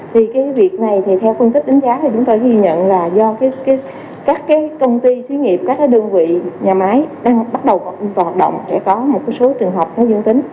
thì cái việc này thì theo phân tích đánh giá thì chúng ta ghi nhận là do các công ty xứ nghiệp các đơn vị nhà máy đang bắt đầu hoạt động sẽ có một số trường hợp nó dương tính